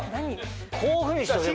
こういうふうにしとけば。